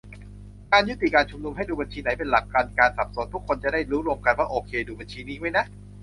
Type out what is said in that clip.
การยุติการชุมนุม ให้ดูบัญชีไหนเป็นหลัก กันการสับสน - ทุกคนจะได้รู้ร่วมกันว่า โอเค ดูบัญชีนี้ไว้นะ